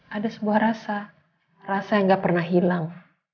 ada sebuah rasa rasa yang gak pernah hilang